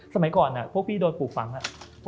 สมัยก่อนพี่โดนปลูกฝังอะ